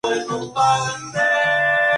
comerías